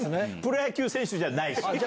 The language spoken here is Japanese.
プロ野球選手じゃないし。